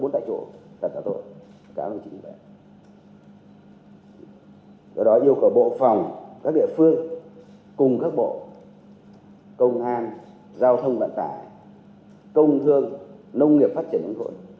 do đó yêu cầu bộ phòng các địa phương cùng các bộ công an giao thông vận tải công thương nông nghiệp phát triển ứng phộn